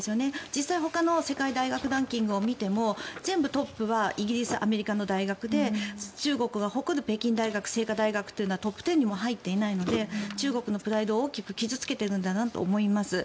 実際のほかの世界大学ランキングを見ても全部トップはイギリス、アメリカの大学で中国が誇る北京大学、清華大学というのはトップ１０にも入っていないので中国のプライドを大きく傷付けているんだなと思います。